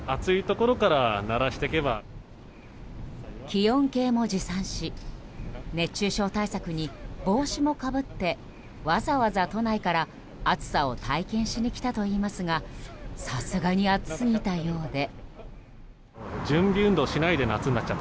気温計も持参し熱中症対策に帽子もかぶってわざわざ都内から暑さを体験しに来たといいますがさすがに暑すぎたようで。